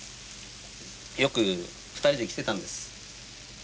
よく２人で来てたんです。